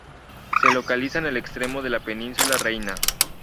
Se localiza en el extremo de la península Reina.